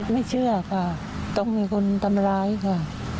ไม่เชื่อค่ะต้องมีคนทำร้ายค่ะ